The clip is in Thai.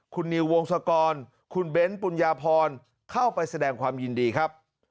คุณนิววงศกรคุณเบ้นปุญญาพรเข้าไปแสดงความยินดีครับ